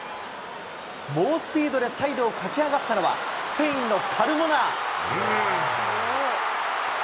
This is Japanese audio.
猛スピードでサイドを駆け上がったのは、スペインのカルモナ。